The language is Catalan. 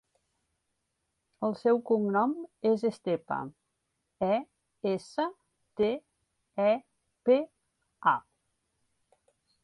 El seu cognom és Estepa: e, essa, te, e, pe, a.